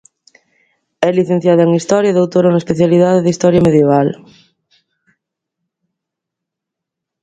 É licenciada en Historia e doutora na especialidade de Historia Medieval.